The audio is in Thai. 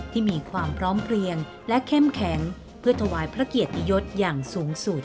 ที่มีความพร้อมเพลียงและเข้มแข็งเพื่อถวายพระเกียรติยศอย่างสูงสุด